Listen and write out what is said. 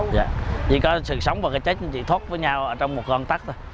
chỉ có sự sống và cái chết chỉ thoát với nhau trong một con tắc thôi